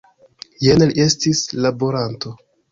Jen li estis laboranto!